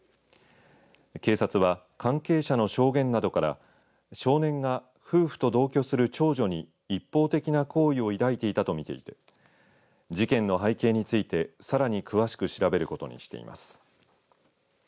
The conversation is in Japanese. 警察は、関係者の証言などから少年が、夫婦と同居する長女に一方的な好意を抱いていたとみられて事件の背景についてさらに詳しく調べることにしています。